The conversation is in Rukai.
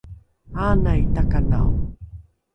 aanai takanao